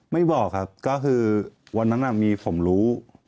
ไม่บอกครับก็คือวันนั้นมีผมรู้